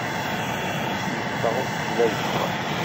Yeffeɣ uqbel ad ffɣen.